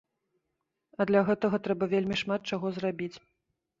А для гэтага трэба вельмі шмат чаго зрабіць.